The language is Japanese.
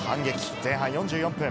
前半４４分。